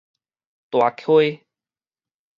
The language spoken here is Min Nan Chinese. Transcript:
大溪